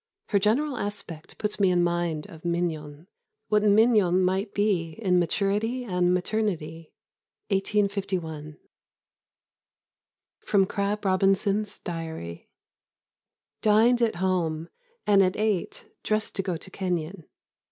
Her general aspect puts me in mind of Mignon, what Mignon might be in maturity and maternity." 1851. [Sidenote: Crab Robinson's Diary.] "Dined at home, and at eight dressed to go to Kenyon.